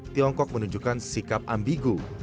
tiongkok menunjukkan sikap ambigu